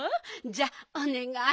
じゃあおねがい。